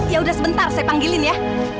yaudah sebentar saya panggilin ya